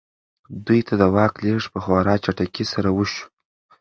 دوی ته د واک لېږد په خورا چټکۍ سره وشو.